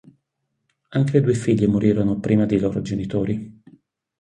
Anche le due figlie morirono prima dei loro genitori.